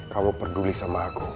kamu peduli sama aku